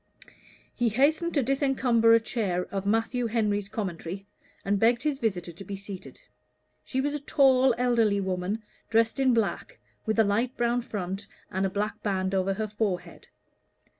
He hastened to disencumber a chair of Matthew Henry's Commentary, and begged his visitor to be seated. She was a tall elderly woman, dressed in black, with a light brown front and a black band over her forehead.